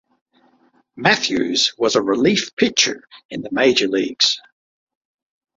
Matthews was a relief pitcher in the major leagues.